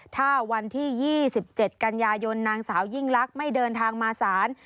ถ้าวันที่๒๗กันยายนนางสาวยิ่งลักษณ์ไม่เดินทางมาศาล